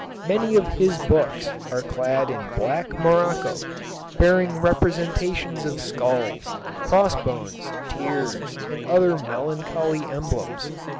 Many of his books are clad in black morocco, bearing representations of skulls, cross bones, tears, and other melancholy emblems.